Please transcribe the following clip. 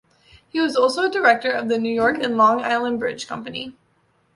He was also a Director of the New York and Long Island Bridge Company.